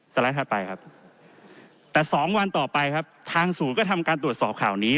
ไลด์ถัดไปครับแต่๒วันต่อไปครับทางศูนย์ก็ทำการตรวจสอบข่าวนี้